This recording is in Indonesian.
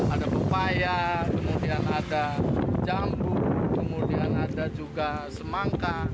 ada pepaya kemudian ada jambu kemudian ada juga semangka